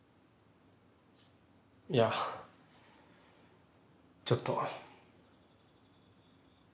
いやちょっと。